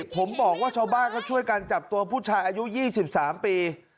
ผมบอกว่าชาวบ้านเขาช่วยกันจับตัวผู้ชายอายุ๒๓ปี